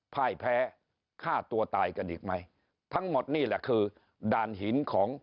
พ่ายแพ้ฆ่าตัวตายกันอีกไหมทั้งหมดนี่แหละคือด่านหินของ